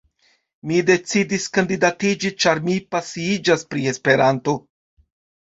Mi decidis kandidatiĝi ĉar mi pasiiĝas pri Esperanto.